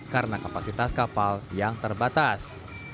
karena kapasitas kapal yang terbatas